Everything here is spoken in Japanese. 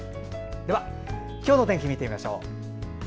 では今日の天気、見てみましょう。